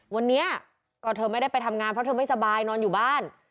วันนี้ก็เธอไม่ได้ไปทำงานเพราะเธอไม่สบายนอนอยู่บ้าน